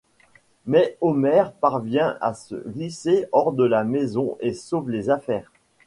Mais Homer parvient à se glisser hors de la maison et sauve les affaires.